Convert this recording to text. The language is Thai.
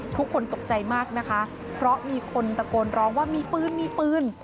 ทุกคนตกใจมากนะคะเพราะมีคนตะโกนร้องว่ามีปืนมีปืน